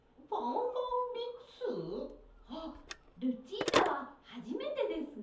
あっルチータははじめてですね！